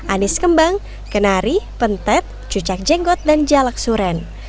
anies kembang kenari pentet cucak jenggot dan jalak suren